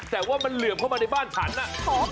แต่ว่ามันเหลื่อมเข้ามาในบ้านฉันน่ะ